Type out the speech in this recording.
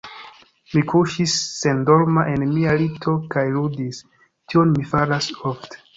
Mi kuŝis sendorma en mia lito kaj ludis; tion mi faras ofte.